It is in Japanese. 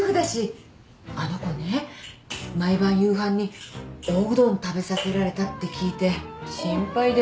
あの子ね毎晩夕飯におうどん食べさせられたって聞いて心配で。